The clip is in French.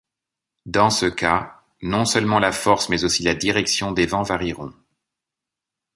Dans ce cas, non seulement la force mais aussi la direction des vents varieront.